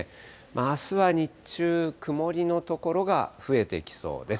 あすは日中、曇りの所が増えてきそうです。